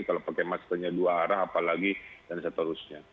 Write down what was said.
kalau pakai maskernya dua arah apalagi dan seterusnya